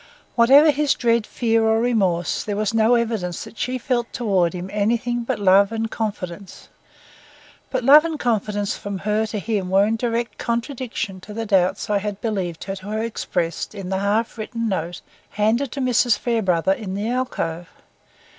Whatever his dread, fear or remorse, there was no evidence that she felt toward him anything but love and confidence: but love and confidence from her to him were in direct contradiction to the doubts I had believed her to have expressed in the half written note handed to Mrs. Fairbrother in the alcove.